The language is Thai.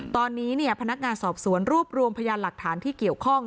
ตอนนี้พนักงานสอบสวนรวบรวมพยานหลักฐานที่เกี่ยวข้อง